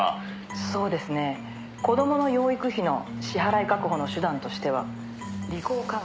「そうですね子供の養育費の支払い確保の手段としては履行勧告」